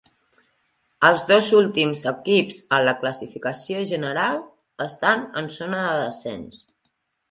Els dos últims equips en la classificació general estan en zona de descens.